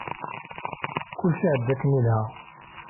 Kullec iɛedda akken yelha.